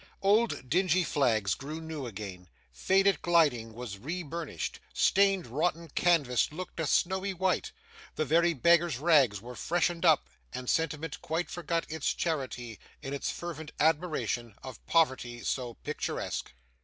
Old dingy flags grew new again, faded gilding was re burnished, stained rotten canvas looked a snowy white, the very beggars' rags were freshened up, and sentiment quite forgot its charity in its fervent admiration of poverty so picturesque.